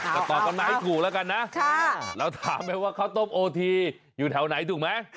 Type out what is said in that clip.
ก็ตอบกันมาให้ถูกแล้วกันนะเราถามไปว่าข้าวต้มโอทีอยู่แถวไหนถูกไหม